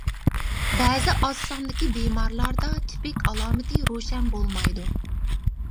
بەزى ئاز ساندىكى بىمارلاردا تىپىك ئالامىتى روشەن بولمايدۇ.